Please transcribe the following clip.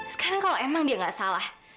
sekarang kalau emang dia nggak salah